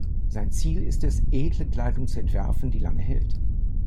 Sein Ziel ist es, edle Kleidung zu entwerfen, die lange hält.